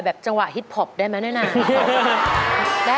แบบจังหวะฮิตพอปได้ไหมน้อยนา